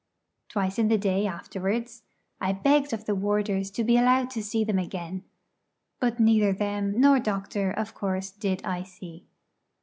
Twice in the day afterwards I begged of the warders to be allowed to see them again, but neither them nor doctor of course did I see.